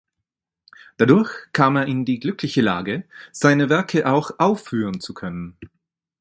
Dadurch kam er in die glückliche Lage seine Werke auch aufführen zu können.